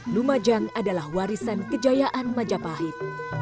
lumajang adalah warisan kejayaan majapahit